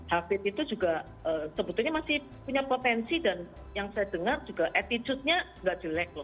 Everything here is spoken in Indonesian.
hafid itu juga sebetulnya masih punya potensi dan yang saya dengar juga attitude nya nggak jelek loh